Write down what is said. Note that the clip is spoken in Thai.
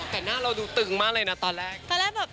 แผ่นหน้าเราดูตึงมากเลยนะตอนแรก